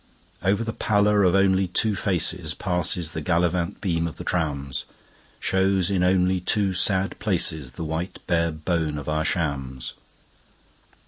Over the pallor of only two facesPasses the gallivant beam of the trams; Shows in only two sad placesThe white bare bone of our shams.